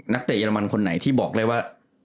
นักเตะเยอรมันคนไหนที่บอกเลยว่า